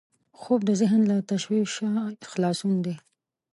خوب د ذهن له تشویشه خلاصون دی